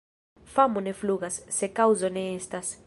Famo ne flugas, se kaŭzo ne estas.